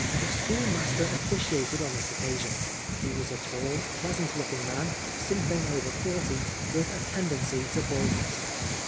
The schoolmaster officiated on this occasion. He was a tall, pleasant looking man, something over forty, with a tendency to baldness.